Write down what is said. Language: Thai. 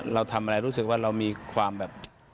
เราทำอะไรรู้สึกว่าเรามีความแบบ